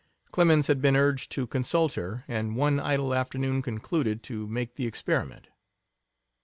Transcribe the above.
Clemens had been urged to consult her, and one idle afternoon concluded to make the experiment.